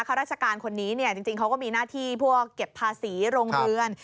ข้าราชการคนนี้จริงเขาก็มีหน้าที่พวกเก็บภาษีโรงเรือน